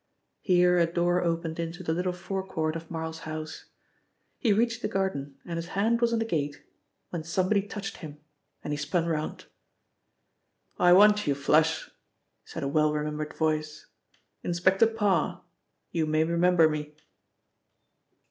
Here a door opened into the little forecourt of Marl's house. He reached the garden and his hand was on the gate when somebody touched him and he spun round. "I want you, 'Flush'," said a well remembered voice. "Inspector Parr. You may remember me?"